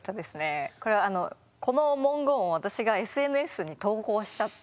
これこの文言を私がＳＮＳに投稿しちゃったんですよね。